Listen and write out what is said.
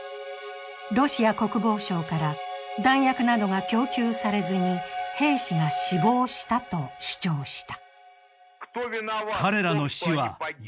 ロシア国防省から弾薬などが供給されずに兵士が死亡したと主張した。